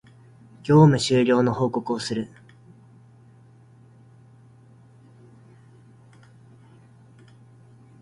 業務終了の報告をする